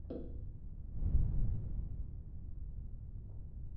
Wawasiliane ili kushughulikia changamoto ya gharama ya Bandwidth